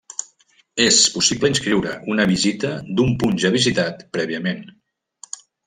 És possible inscriure una visita d'un punt ja visitat prèviament.